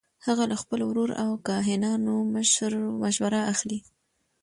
هغه له خپل ورور او کاهنانو مشوره اخلي.